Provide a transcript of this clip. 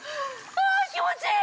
◆あー、気持ちいい！